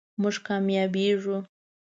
مونږ کامیابیږو